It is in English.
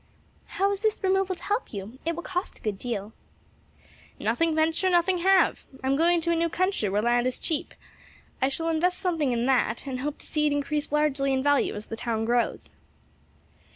"How is this removal to help you? It will cost a good deal." "'Nothing venture, nothing have.' I'm going to a new country where land is cheap. I shall invest something in that and hope to see it increase largely in value as the town grows.